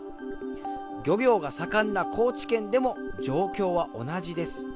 漁業が盛んな高知県でも状況は同じです。